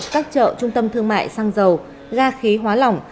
các chợ trung tâm thương mại xăng dầu ga khí hóa lỏng